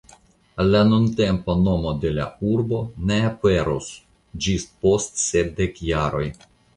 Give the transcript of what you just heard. La nuntempa nomo de la urbo ne aperos ĝis post sep dek jaroj.